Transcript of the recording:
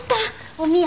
おみや！